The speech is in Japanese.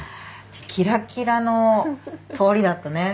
キラキラの通りだったね。